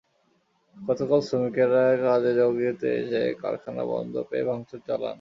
গতকাল শ্রমিকেরা কাজে যোগ দিতে এসে কারখানা বন্ধ পেয়ে ভাঙচুর চালান।